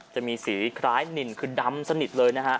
จะมีสีคล้ายนินคือดำสนิทเลยนะฮะ